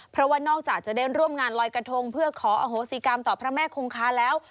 เพราะว่านอกจากจะได้ร่วมงานลอยกระทงเพื่อขออโหสิกรรมต่อพระแม่คงคาแล้ว